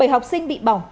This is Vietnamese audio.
bảy học sinh bị bỏng